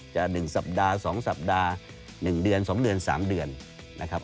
๑สัปดาห์๒สัปดาห์๑เดือน๒เดือน๓เดือนนะครับ